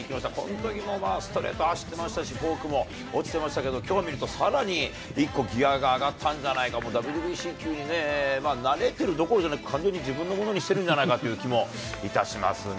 本当にストレート、走ってましたし、フォークも落ちてましたけど、きょう見るとさらに、一個ギアが上がったんじゃないか、ＷＢＣ球に慣れてるどころじゃなくて、もう完全にかなり自分のものにしているんじゃないかという気もいたしますね。